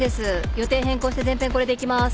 予定変更して全編これでいきます。